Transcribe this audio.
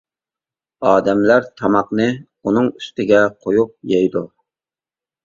ئادەملەر تاماقنى ئۇنىڭ ئۈستىگە قويۇپ يەيدۇ.